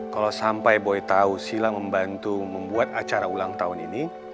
kalau sampai boy tahu silang membantu membuat acara ulang tahun ini